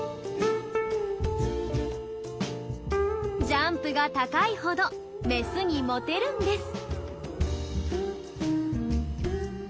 ジャンプが高いほどメスにモテるんです。